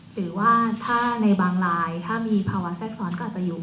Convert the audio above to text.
หรือว่าถ้าในบางลายถ้ามีภาวะแทรกซ้อนก็อาจจะอยู่